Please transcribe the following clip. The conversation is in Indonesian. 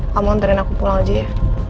kamu antarin aku pulang aja ya